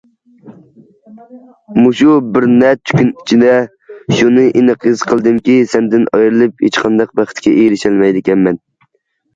مۇشۇ بىر نەچچە كۈن ئىچىدە شۇنى ئېنىق ھېس قىلدىمكى، سەندىن ئايرىلىپ ھېچقانداق بەختكە ئېرىشەلمەيدىكەنمەن.